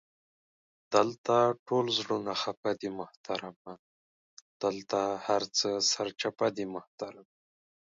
دالته ټول زړونه خفه دې محترمه، دالته هر څه سرچپه دي محترمه!